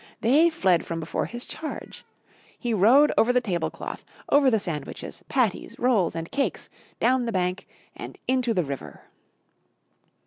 They fled from before his charge. He rode over the table cloth, over the sandwiches, patties, rolls and cakes, down the bank and into the river.